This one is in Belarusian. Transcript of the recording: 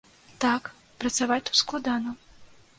Так, працаваць тут складана.